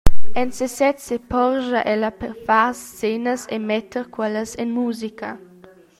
En sesez seporscha ella per far scenas e metter quellas en musica.